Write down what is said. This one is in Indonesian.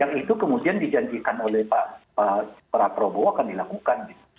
yang itu kemudian dijanjikan oleh pak prabowo akan dilakukan